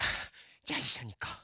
じゃあいっしょにいこう。